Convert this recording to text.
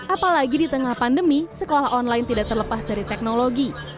apalagi di tengah pandemi sekolah online tidak terlepas dari teknologi